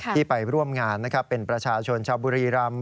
ที่ไปร่วมงานเป็นประชาชนชาวบุรีรำ